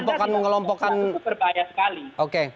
tidak menjaga ukraine